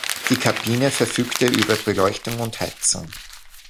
Die Kabine verfügte über Beleuchtung und Heizung.